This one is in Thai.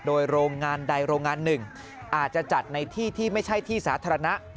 โดยโรงงานใดโรงงานหนึ่งอาจจะจัดในที่ที่ไม่ใช่ที่สาธารณะ